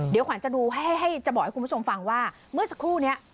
เดี๋ยวขวัญจะดูให้จะบอกให้คุณผู้ชมฟังว่าเมื่อสักครู่นี้